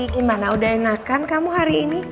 gimana udah enakan kamu hari ini